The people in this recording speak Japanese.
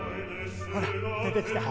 ほら出てきた。